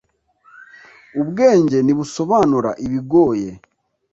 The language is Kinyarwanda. ubwenge ntibusobanura ibigoye